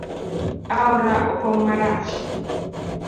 Aora opong marach.